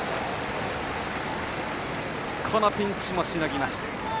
このピンチもしのぎました。